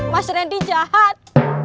mas randy jahat